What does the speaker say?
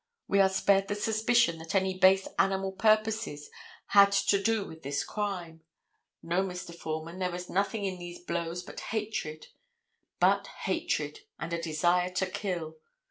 We are spared the suspicion that any base animal purposes had to do with this crime. No, Mr. Foreman, there was nothing in these blows but hatred, but hatred, and a desire to kill.